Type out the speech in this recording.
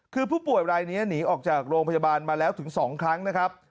คือผู้ป่วยรายนี้หนีออกจากโรงพยาบาลมาแล้วถึง๒ครั้งนะครับ